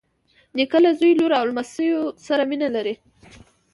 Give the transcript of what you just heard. نیکه له زوی، لور او لمسیو سره مینه لري.